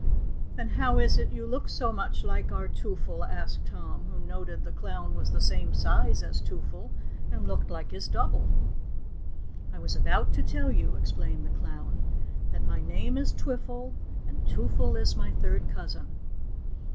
"Then how is it you look so much like our Twoffle?" asked Tom, who noted the clown was the same size as Twoffle and looked like his double. "I was about to tell you," explained the clown, "that my name is Twiffle, and Twoffle is my third cousin."